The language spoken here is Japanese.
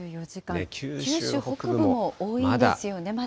九州北部も多いんですよね、まだ。